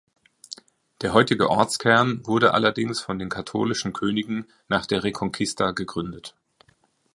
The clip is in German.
Der heutige Ortskern wurde allerdings von den Katholischen Königen nach der Reconquista gegründet.